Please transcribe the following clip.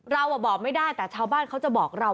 เราบอกไม่ได้แต่ชาวบ้านเขาจะบอกเรา